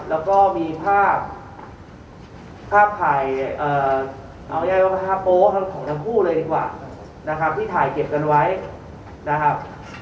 แล้วก็มีภาพภาพถ่ายเอาง่ายว่าภาพโป๊ะของทั้งคู่เลยดีกว่านะครับที่ถ่ายเก็บกันไว้นะครับ